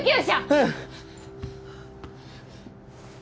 うん！